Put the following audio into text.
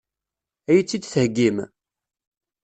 Ad iyi-tt-id-theggim?